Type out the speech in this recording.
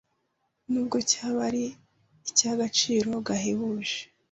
nubwo cyaba ari icy’agaciro gahebuje